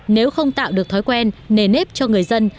nếu không tạo được thói quen nề nếp cho người dân